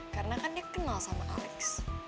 karena kan dia kenal sama alex